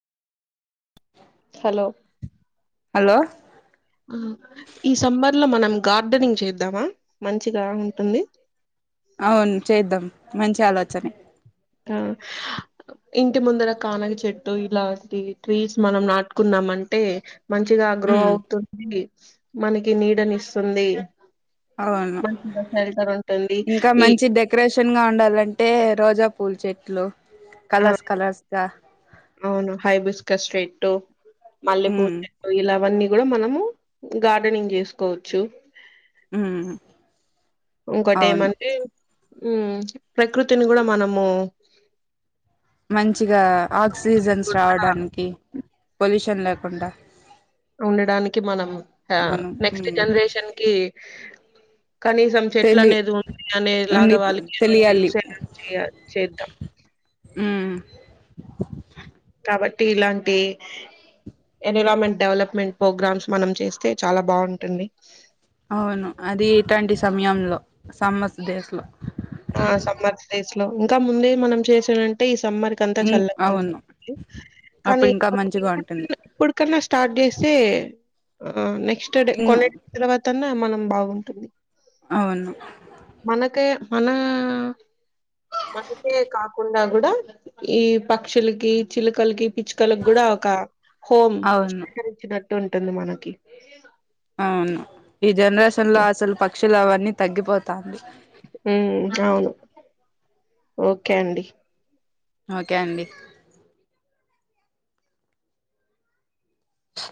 hello hello ఆ ఈ summer లో మనం గార్డెనింగ్ చేద్దామా మంచిగా ఉంటుంది అవున్ చేద్దాం మంచి ఆలోచనే ఆ ఇంటి ముందర కానగ చెట్టు ఇలాంటి ట్రీస్ మనం నాటుకున్నామ్ అంటే మంచిగా గ్రో ఉమ్ అవుతుంది మనకి నీడనిస్తుంది అవును మంచిగా సెల్టర్ ఉంటుంది ఈ చన్ గా ఉండాలంటే రోజా పూలు చెట్లు కలర్స్ కలర్స్ గా అవును హై బిస్కట్ స్ట్రేట్ మల్లెపూవు ఉమ్ చెట్టు ఇలావన్నీ గూడా మనము గార్డెనింగ్ చేసుకోవచ్చు ఆ ఇంకోట ఏ మంట ఉ ప్రకృతిని కూడా మనము మంచిగా ఆక్సిజన్స్ కూడా రావడానికి పొల్యూషన్ లేకుండా ఉండడానికి మనం ఆ మనం నెక్స్ట్ ఉమ్ జనరేషన్ కి కనీసం చెట్ల తెలి అనేది ఉంది అనేలాగ ఉండి వాళ్ళకి తెలియాలి తెలిసేలా చేయ చేద్దాం ఉమ్ కాబట్టి ఇలాంటి ఎన్విరాన్మెంట్ డెవలప్మెంట్ ప్రోగ్రామ్స్ మనం చేస్తే చాలా బాగుంటుంది అవును అది ఇటువంటి సమయంలో సమ్మస్ డేస్ లో ఆ సమ్మస్ డేస్ ఇంకా ముందే మనం చేసానంటే ఇస్ సమ్మర్ కంతా ఇం చల్లగా అవును ఉంటంది కానీ అప్పుడు ఇంకా మంచిగా ఉంటుంది ఇప్పటికిప్పుడు ఇప్పుడుకన్నా స్టార్ట్ చేసి ఆ నై ఎస్టర్డే కొనే తూరవత్ తన్నా మనం బాగుంటుంది అవును మనకే మన మనకే కాకుండా గుడా ఈ పక్షులుకి చిలకలకి పిచ్చుకలకు గుడా ఒక హోమ్ అవును స్వీకరించినట్టు ఉంటుంది మనకి అవును ఈ జనరేషన్ లో అసలు పక్షి తెలఅవన్నీ తగ్గిపోతాంది ఉ అవును ఓకే అండి ఓకే అండి